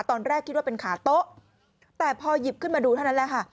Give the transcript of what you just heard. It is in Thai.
ตอนแรกคิดว่าเป็นขาโต๊ะแต่พอหยิบขึ้นมาดูเท่านั้นแหละค่ะ